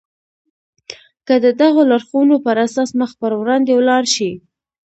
که د دغو لارښوونو پر اساس مخ پر وړاندې ولاړ شئ.